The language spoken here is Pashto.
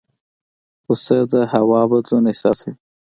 پسه د هوا بدلون احساسوي.